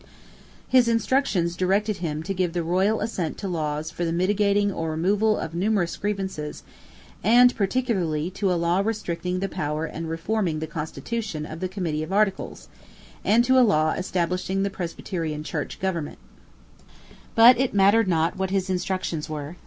His instructions directed him to give the royal assent to laws for the mitigating or removing of numerous grievances, and particularly to a law restricting the power and reforming the constitution of the Committee of Articles, and to a law establishing the Presbyterian Church Government, But it mattered not what his instructions were.